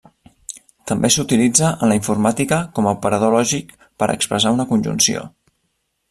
També s'utilitza en la informàtica com a operador lògic per a expressar una conjunció.